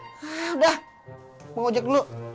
hah udah mau ojek dulu